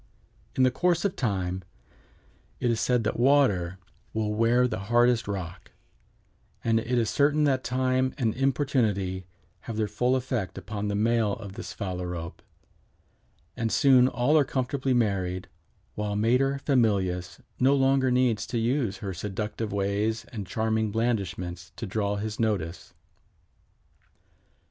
In the course of time it is said that water will wear the hardest rock, and it is certain that time and importunity have their full effect upon the male of this Phalarope, and soon all are comfortably married, while mater familias no longer needs to use her seductive ways and charming blandishments to draw his notice."